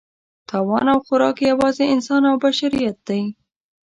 تاوان او خوراک یې یوازې انسان او بشریت دی.